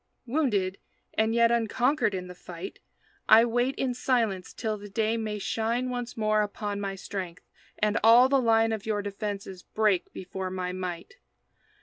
Wounded, and yet unconquered in the fight, I wait in silence till the day may shine Once more upon my strength, and all the line Of your defenses break before my might.